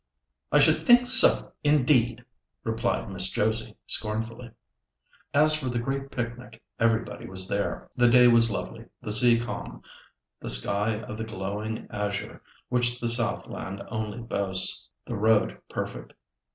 "I should think so, indeed," replied Miss Josie, scornfully. As for the great picnic, everybody was there. The day was lovely, the sea calm, the sky of the glowing azure which the south land only boasts, the road perfect.